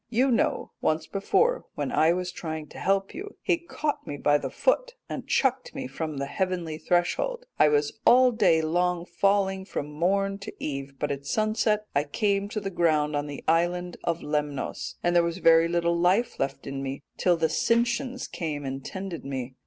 You know once before when I was trying to help you he caught me by the foot and chucked me from the heavenly threshold. I was all day long falling from morn to eve, but at sunset I came to ground on the island of Lemnos, and there was very little life left in me, till the Sintians came and tended me.'